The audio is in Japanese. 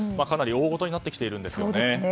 かなり大事になってきているんですよね。